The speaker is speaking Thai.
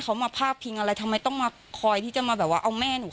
เขามาพาดพิงอะไรทำไมต้องมาคอยที่จะมาแบบว่าเอาแม่หนู